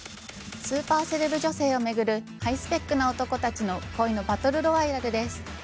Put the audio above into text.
スーパーセレブ女性を巡るハイスペックな男たちの恋のバトルロワイヤルです。